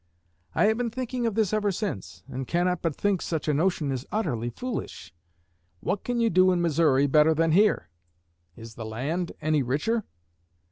I have been thinking of this ever since, and cannot but think such a notion is utterly foolish. What can you do in Missouri better than here? Is the land any richer?